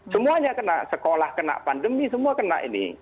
semuanya kena sekolah kena pandemi semua kena ini